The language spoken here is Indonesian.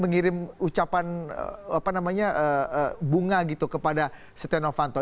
mengirim ucapan bunga gitu kepada setia novanto